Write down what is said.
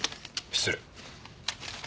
失礼。